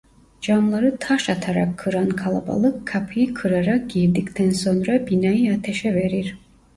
Camları taş atarak kıran kalabalık kapıyı kırarak girdikten sonra binayı ateşe verir.